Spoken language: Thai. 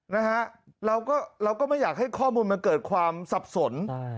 นะฮะเราก็เราก็ไม่อยากให้ข้อมูลมันเกิดความสับสน